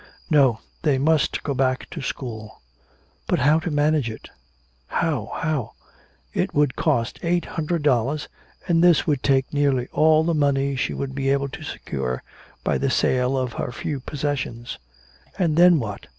No, they must go back to school. But how to manage it? How? How? It would cost eight hundred dollars, and this would take nearly all the money she would be able to secure by the sale of her few possessions. And then what?